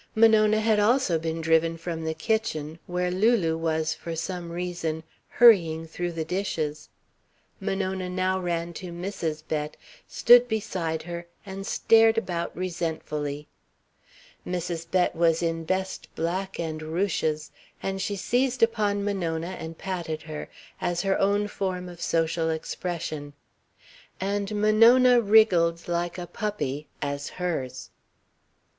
Monona had also been driven from the kitchen where Lulu was, for some reason, hurrying through the dishes. Monona now ran to Mrs. Bett, stood beside her and stared about resentfully. Mrs. Bett was in best black and ruches, and she seized upon Monona and patted her, as her own form of social expression; and Monona wriggled like a puppy, as hers.